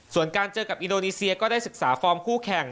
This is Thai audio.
ส่วนการเจอกับอินโดนีเซียก็ได้ศึกษาฟอร์มคู่แข่ง